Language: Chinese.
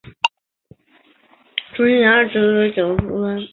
出身于爱知县蒲郡市五井町。